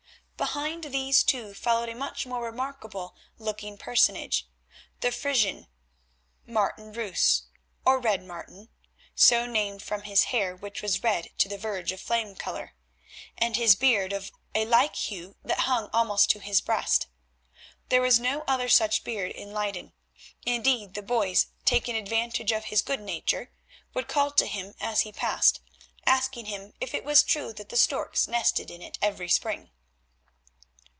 Behind these two followed a much more remarkable looking personage, the Frisian, Martin Roos, or Red Martin, so named from his hair, which was red to the verge of flame colour, and his beard of a like hue that hung almost to his breast. There was no other such beard in Leyden; indeed the boys, taking advantage of his good nature, would call to him as he passed, asking him if it was true that the storks nested in it every spring.